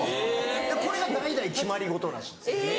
これが代々決まり事らしいんです。